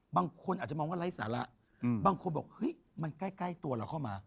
บางคนอาจจะมองว่าไร้สาระบางคนบอกเฮ้ยมันใกล้ตัวเราเข้ามา